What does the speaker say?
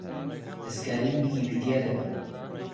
دەستکاریی ویکیپیدیا دەکەم.